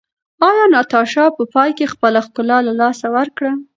ایا ناتاشا په پای کې خپله ښکلا له لاسه ورکړه؟